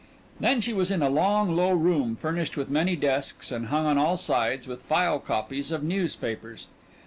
Then she was in a long, low room furnished with many desks and hung on all sides with file copies of newspapers.